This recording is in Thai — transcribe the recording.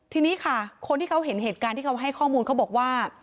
ทีนี้ค่ะคนที่เขาเห็นเหตุการณ์ที่เขาให้ข้อมูลเขาบอกว่า